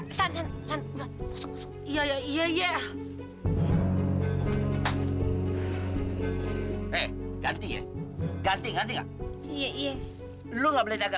iya lia enggak salah